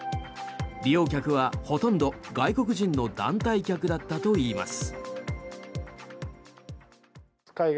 利用客は、ほとんど外国人の団体客だったといいます。